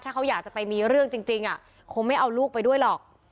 ถ้าเขาอยากจะไปมีเรื่องจริงคงไม่เอาลูกไปด้วยหรอก